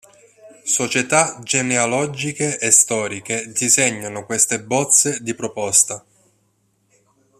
Società genealogiche e storiche disegnano queste bozze di proposta.